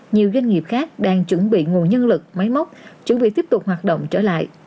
nhiều doanh nghiệp khác đang chuẩn bị nguồn nhân lực máy móc chuẩn bị tiếp tục hoạt động trở lại